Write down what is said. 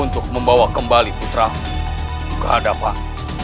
untuk membawa kembali putra ke hadapan